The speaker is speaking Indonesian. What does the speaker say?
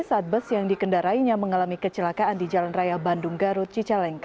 saat bus yang dikendarainya mengalami kecelakaan di jalan raya bandung garut cicalengka